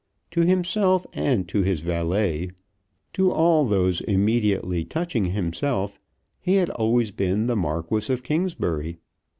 To himself and to his valet, to all those immediately touching himself, he had always been the Marquis of Kingsbury.